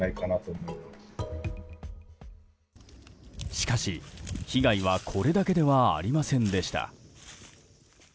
しかし、被害はこれだけではありませんでした。